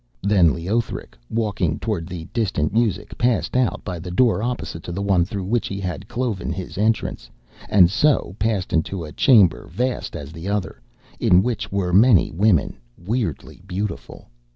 Then Leothric, walking towards the distant music, passed out by the door opposite to the one through which he had cloven his entrance, and so passed into a chamber vast as the other, in which were many women, weirdly beautiful.